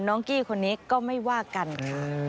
กี้คนนี้ก็ไม่ว่ากันค่ะ